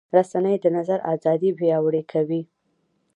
رسنۍ د نظر ازادي پیاوړې کوي.